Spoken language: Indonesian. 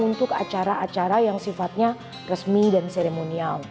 untuk acara acara yang sifatnya resmi dan seremonial